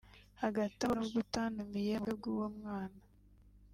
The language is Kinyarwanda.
Hagati aho nubwo utantumiye mu bukwe bw’uwo mwana